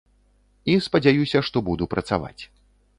І спадзяюся, што буду працаваць.